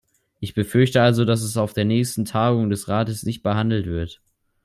Ich befürchte also, dass es auf der nächsten Tagung des Rates nicht behandelt wird.